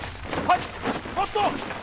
はい！